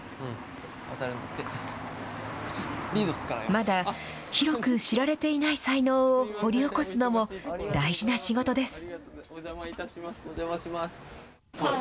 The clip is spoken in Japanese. まだ広く知られていない才能を掘り起こすのも大事な仕事です。